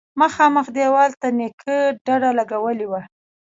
مخامخ دېوال ته نيکه ډډه لگولې وه.